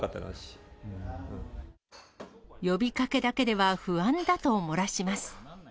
呼びかけだけでは、不安だと漏らします。